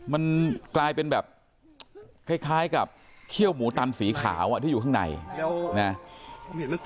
มันกลายเป็นแบบคล้ายกับเขี้ยวหมูตันสีขาวที่อยู่ข้างในนะ